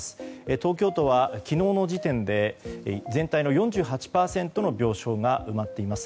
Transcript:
東京都は昨日の時点で全体の４８％の病床が埋まっています。